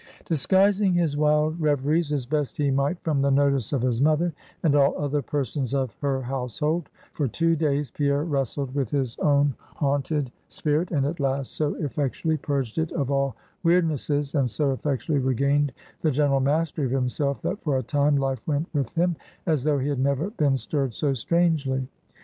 Disguising his wild reveries as best he might from the notice of his mother, and all other persons of her household, for two days Pierre wrestled with his own haunted spirit; and at last, so effectually purged it of all weirdnesses, and so effectually regained the general mastery of himself, that for a time, life went with him, as though he had never been stirred so strangely.